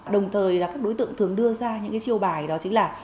đồng thời các đối tượng thường đưa ra những chiêu bài đó chính là